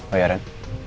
oh ya ren